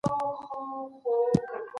د ابدالي قبیلې مشران چیرته راټول سول؟